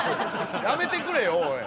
やめてくれよおい。